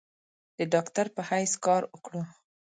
د ډاکټر پۀ حېث کار اوکړو ۔